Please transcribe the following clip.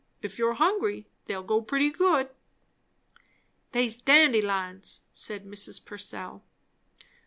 If you're hungry, they'll go pretty good." "They's dandelions " said Mrs. Purcell.